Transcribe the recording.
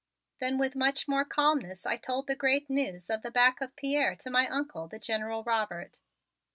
Then with much more calmness I told the great news of the back of Pierre to my Uncle, the General Robert.